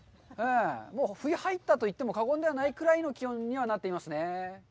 もう冬入ったといっても過言ではないくらいの気温にはなっていますね。